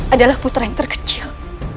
adalah putra yang terkecil